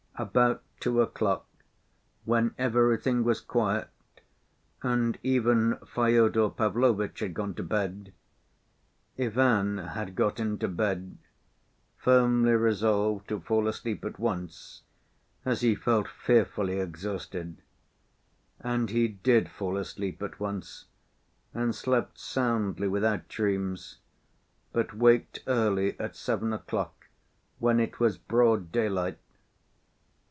About two o'clock when everything was quiet, and even Fyodor Pavlovitch had gone to bed, Ivan had got into bed, firmly resolved to fall asleep at once, as he felt fearfully exhausted. And he did fall asleep at once, and slept soundly without dreams, but waked early, at seven o'clock, when it was broad daylight.